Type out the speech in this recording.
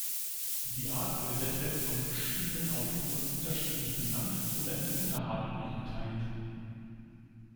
Die Art wurde deshalb von verschiedenen Autoren unterschiedlich benannt oder in Unterarten eingeteilt.